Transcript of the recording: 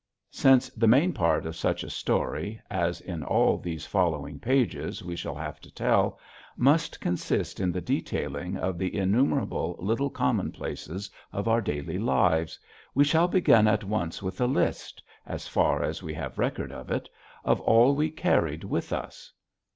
Since the main part of such a story, as in all these following pages we shall have to tell, must consist in the detailing of the innumerable little commonplaces of our daily lives, we shall begin at once with a list, as far as we have record of it, of all we carried with us.